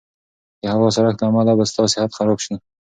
د هوا د سړښت له امله به ستا صحت خراب شي.